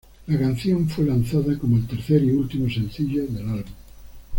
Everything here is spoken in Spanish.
La canción fue lanzada como el tercer y último sencillo del álbum.